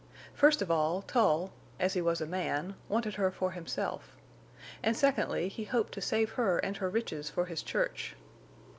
First of all, Tull, as he was a man, wanted her for himself; and secondly, he hoped to save her and her riches for his church.